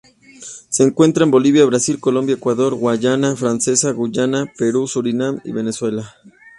Se encuentra en Bolivia, Brasil, Colombia, Ecuador, Guayana francesa, Guyana, Perú, Surinam y Venezuela.